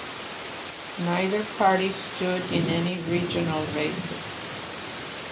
Neither party stood in any regional races.